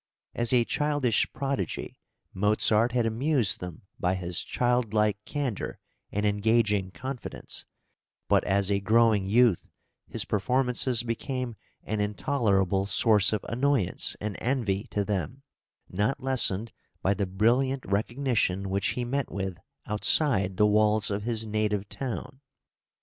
As a childish prodigy Mozart had amused them by his childlike candour and engaging confidence; but as a growing youth his performances became an intolerable source of annoyance and envy to them, not lessened by the brilliant recognition which he met with outside the walls of his native town.